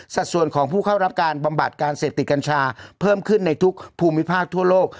ส่วนของผู้เข้ารับการบำบัดการเสพติดกัญชาเพิ่มขึ้นในทุกภูมิภาคทั่วโลก